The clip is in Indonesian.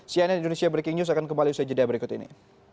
cnn indonesia breaking news akan kembali usai jeda berikut ini